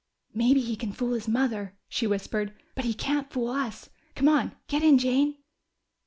"Maybe he can fool his mother," she whispered. "But he can't fool us! Come on, get in, Jane."